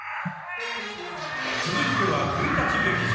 続いては「古劇場」。